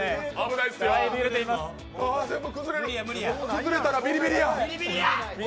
崩れたらビリビリや！